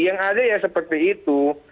yang ada ya seperti itu